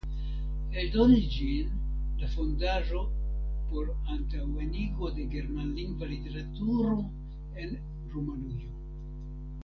Eldonis ĝin la Fondaĵo por antaŭenigo de germanlingva literaturo en Rumanujo".